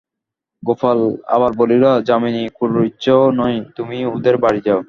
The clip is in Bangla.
গোপাল আবার বলিল, যামিনী খুড়োর ইচ্ছেও নয় তুমি ওদের বাড়ি যাও।